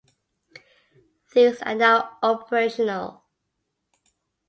These are now operational.